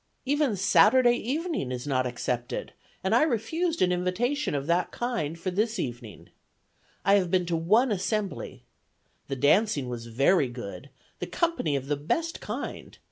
Even Saturday evening is not excepted, and I refused an invitation of that kind for this evening. I have been to one assembly. The dancing was very good; the company of the best kind.